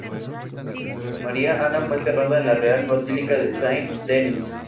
Maria Ana fue enterrada en la Real Basílica de Saint Denis.